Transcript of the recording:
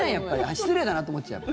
失礼だなと思っちゃう？